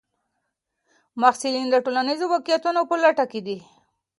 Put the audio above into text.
محصلین د ټولنیزو واقعیتونو په لټه کې دي.